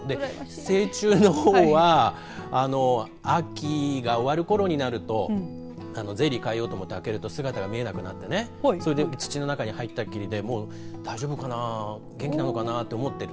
成虫の方は秋が終わるころになるとゼリー変えようと思って開けると姿が見えなくなって土の中に入ったきりで大丈夫かな、元気かなと思っている。